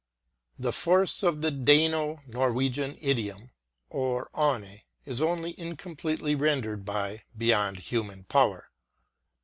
The force of the Dano Norwegian idiom "over aevne'* is only incompletely rendered by "beyond human power.'